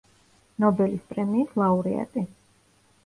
ნობელის პრემიის ლაურეატი.